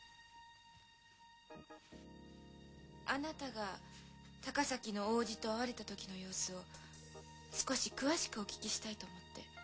あなたが高崎の大おじと会われたときの様子を少し詳しくお聞きしたいと思って。